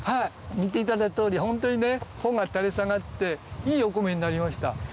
見ていただいた通りホントにね穂が垂れ下がっていいお米になりました。